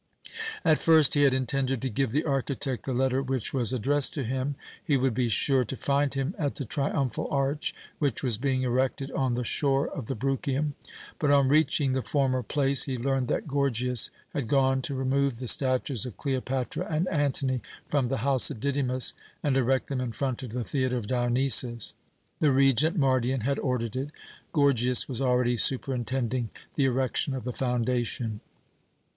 At first he had intended to give the architect the letter which was addressed to him. He would be sure to find him at the triumphal arch which was being erected on the shore of the Bruchium. But on reaching the former place he learned that Gorgias had gone to remove the statues of Cleopatra and Antony from the house of Didymus, and erect them in front of the Theatre of Dionysus. The Regent, Mardion, had ordered it. Gorgias was already superintending the erection of the foundation.